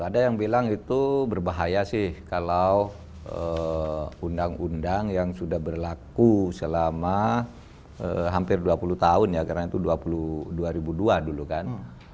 ada yang bilang itu berbahaya sih kalau undang undang yang sudah berlaku selama hampir dua puluh tahun ya karena itu dua ribu dua dulu kan